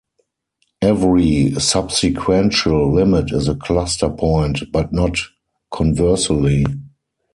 Every subsequential limit is a cluster point, but not conversely.